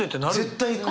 絶対行く！